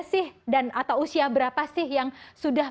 sih dan atau usia berapa sih yang sudah